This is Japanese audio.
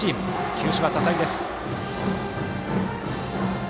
球種は多彩です。